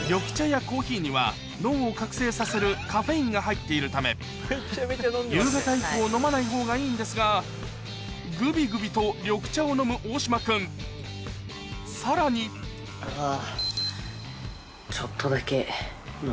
脳を覚醒させるカフェインが入っているため夕方以降飲まない方がいいんですがグビグビと緑茶を飲む大島君さらにあぁ。